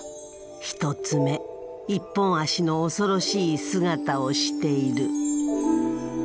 １つ目一本足の恐ろしい姿をしている。